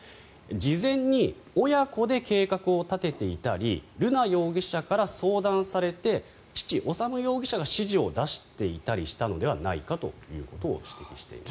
事前に親子で計画を立てていたり瑠奈容疑者から相談されて父・修容疑者が指示を出していたりしたのではないかということを指摘しています。